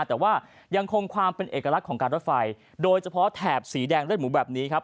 แต่ว่ายังคงความเป็นเอกลักษณ์ของการรถไฟโดยเฉพาะแถบสีแดงเลือดหมูแบบนี้ครับ